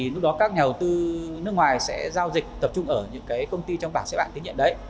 lúc đó các nhà đầu tư nước ngoài sẽ giao dịch tập trung ở những công ty trong bảng xếp hạng tín nhận đấy